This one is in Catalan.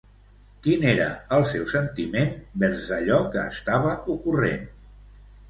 Quin era el seu sentiment vers allò que estava ocorrent?